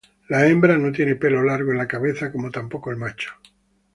La hembra no tiene pelo largo en la cabeza, como tampoco el macho.